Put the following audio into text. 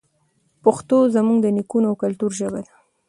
پښتو زموږ د نیکونو او کلتور ژبه ده.